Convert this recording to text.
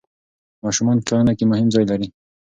ماشومان په ټولنه کې مهم ځای لري.